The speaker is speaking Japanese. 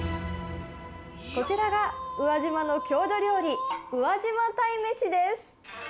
こちらが宇和島の郷土料理、宇和島鯛めしです。